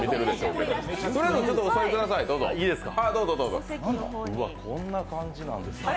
うわ、こんな感じなんですね